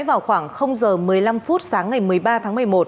vào khoảng h một mươi năm sáng ngày một mươi ba tháng một mươi một